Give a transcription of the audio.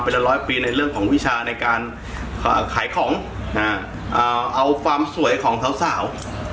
เป็นละร้อยปีในเรื่องของวิชาในการขายของเอาความสวยของสาว